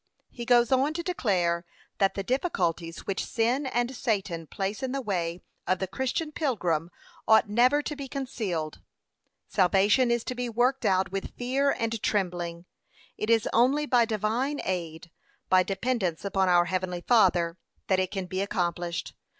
p.538. He goes on to declare that the difficulties which sin and Satan place in the way of the Christian pilgrim ought never to be concealed. Salvation is to be worked out with fear and trembling. It is only by divine aid, by dependence upon our heavenly Father, that it can be accomplished.